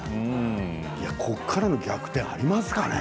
ここからの逆転ありますかね。